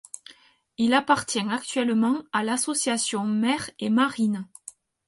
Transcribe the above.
Il appartient actuellement à l'association Mer et Marine.